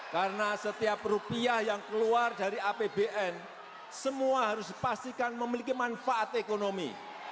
karena setiap rupiah yang keluar dari apbn semua harus dipastikan memiliki manfaat ekonomi